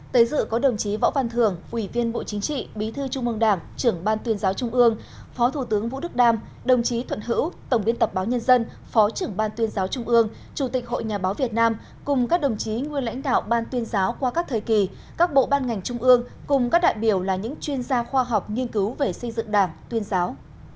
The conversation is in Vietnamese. tới dự có đồng chí võ văn thưởng ủy viên bộ chính trị bí thư trung mông đảng trưởng ban tuyên giáo trung ương phó thủ tướng vũ đức đam đồng chí thuận hữu tổng biên tập báo nhân dân phó trưởng ban tuyên giáo trung ương chủ tịch hội nhà báo việt nam cùng các đồng chí nguyên lãnh đạo ban tuyên giáo qua các thời kỳ các bộ ban ngành trung ương cùng các đại biểu là những chuyên gia khoa học nghiên cứu về xây dựng đảng tuyên giáo